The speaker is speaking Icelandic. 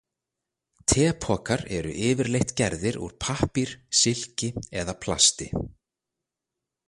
Tepokar eru yfirleitt gerðir úr pappír, silki eða plasti.